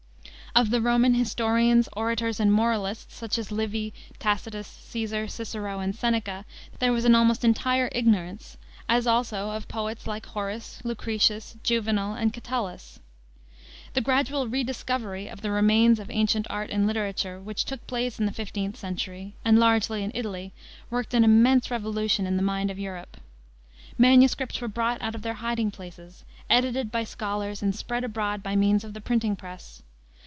Of the Roman historians, orators, and moralists, such as Livy, Tacitus, Caesar, Cicero, and Seneca, there was an almost entire ignorance, as also of poets like Horace, Lucretius, Juvenal, and Catullus. The gradual rediscovery of the remains of ancient art and literature which took place in the 15th century, and largely in Italy, worked an immense revolution in the mind of Europe. MSS. were brought out of their hiding places, edited by scholars and spread abroad by means of the printing press.